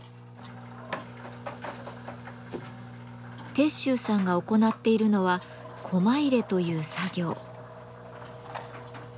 鉄舟さんが行っているのはコマ入れという作業。